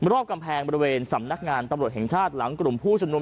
รอบกำแพงบริเวณสำนักงานตำรวจแห่งชาติหลังกลุ่มผู้ชมนุม